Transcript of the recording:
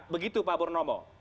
begitu pak purnomo